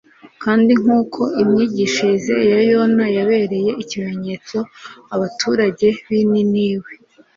Kandi nk'uko imyigishirize ya Yona yabereye ikimenyetso abaturage b'i Ninewe;